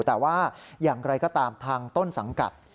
แต่ว่าอย่างไรก็ตามทางต้นสังกัด